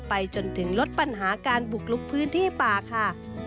ไปจนถึงลดปัญหาการบุกลุกพื้นที่ป่าค่ะ